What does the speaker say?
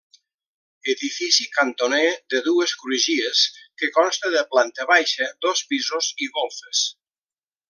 Edifici cantoner de dues crugies que consta de planta baixa, dos pisos i golfes.